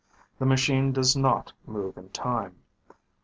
The machine does not move in time.